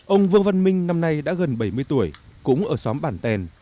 ông vương văn minh năm nay đã gần bảy mươi tuổi cũng ở xóm bản tèn